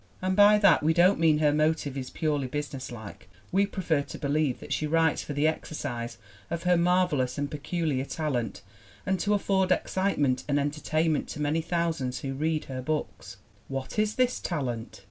And by that we don't mean her motive is purely businesslike ; we prefer to believe that she writes for the exercise of her marvelous and peculiar talent, and to afford excitement and entertainment to many thousands who read her books. What is this talent?